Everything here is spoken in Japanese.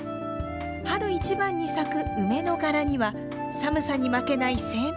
春一番に咲く梅の柄には寒さに負けない生命力の強さが。